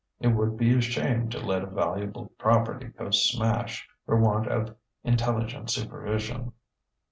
It would be a shame to let a valuable property go smash for want of intelligent supervision."